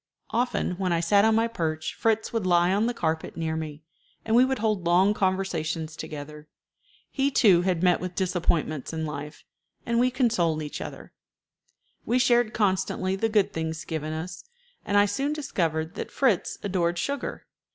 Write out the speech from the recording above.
"] Often when I sat on my perch Fritz would lie on the carpet near me, and we would hold long conversations together. He, too, had met with disappointments in life, and we consoled each other. We shared constantly the good things given us, and I soon discovered that Fritz adored sugar.